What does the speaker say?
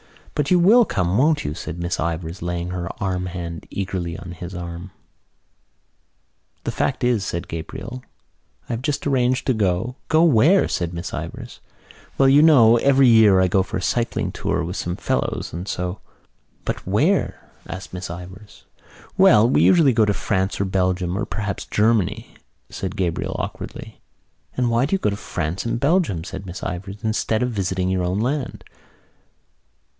"But you will come, won't you?" said Miss Ivors, laying her warm hand eagerly on his arm. "The fact is," said Gabriel, "I have just arranged to go——" "Go where?" asked Miss Ivors. "Well, you know, every year I go for a cycling tour with some fellows and so——" "But where?" asked Miss Ivors. "Well, we usually go to France or Belgium or perhaps Germany," said Gabriel awkwardly. "And why do you go to France and Belgium," said Miss Ivors, "instead of visiting your own land?"